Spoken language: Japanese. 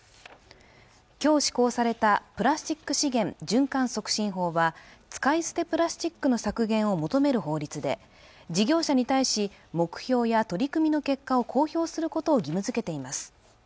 今日施行されたプラスチック資源循環促進法は使い捨てプラスチックの削減を求める法律で事業者に対し目標や取り組みの結果を公表することを義務づけています